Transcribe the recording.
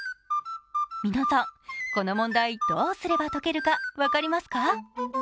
皆さん、この問題どうすれば解けるか分かりますか？